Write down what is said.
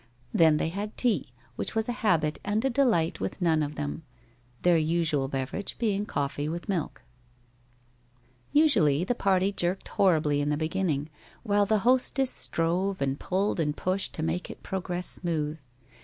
Then they had tea, which was a habit and a delight with none of them, their usual beverage being coffee with milk. Usually the party jerked horribly in the beginning, while the hostess strove and pulled and pushed to make its progress smooth.